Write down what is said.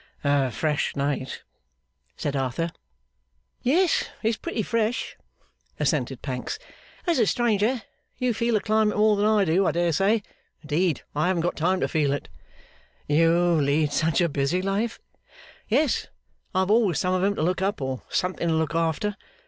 'A fresh night!' said Arthur. 'Yes, it's pretty fresh,' assented Pancks. 'As a stranger you feel the climate more than I do, I dare say. Indeed I haven't got time to feel it.' 'You lead such a busy life?' 'Yes, I have always some of 'em to look up, or something to look after.